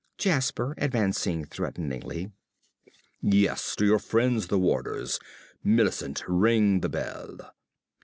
~Jasper~ (advancing threateningly). Yes, to your friends, the warders. Millicent, ring the bell.